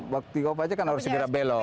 waktu aja kan harus segera belok